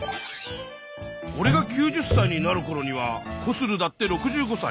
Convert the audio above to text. おれが９０歳になるころにはコスルだって６５歳。